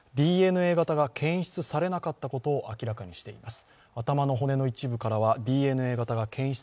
ＤＮＡ型が検出されなかったことを明らかにしています。